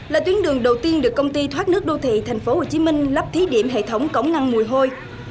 là tuyến đường đầu tiên được công ty thoát nước đô thị thành phố hồ chí minh lắp thí điểm hệ thống cổng ngăn mùi hôi